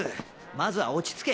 まずは落ち着け。